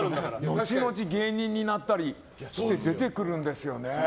後々、芸人になったり出てくるんですよね。